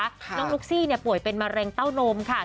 น้องนุ๊กซี่ป่วยเป็นมะเร็งเต้านมค่ะ